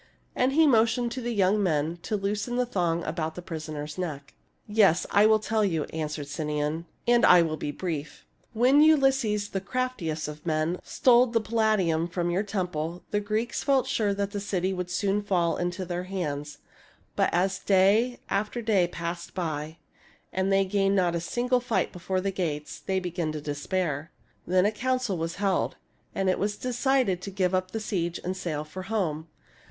And he motioned to the young men to loosen the thong about the prisoner's neck. " Yes, I will tell you," answered Sinon, "and I will be brief. When Ulysses, the craftiest of men, stole the Palladium from your temple, the Greeks felt sure that the city would soon fall into their hands. But as day after day passed by, and they gained not a single fight before the gates, they began to despair. Then a council was held, and it was decided to give up the siege and sail for home.